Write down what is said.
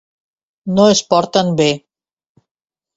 No es porten bé.